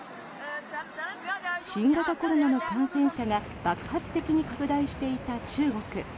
新型コロナの感染者が爆発的に拡大していた中国。